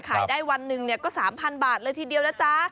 ขายได้วันหนึ่งก็๓๐๐บาทเลยทีเดียวนะจ๊ะ